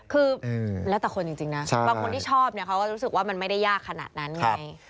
คือแล้วแต่คนจริงนะบางคนที่ชอบเนี่ยเขาก็รู้สึกว่ามันไม่ได้ยากขนาดนั้นไง